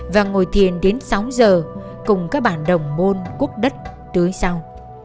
và ngồi thiền đến sáu giờ cùng các bản đồng môn quốc đất tới sau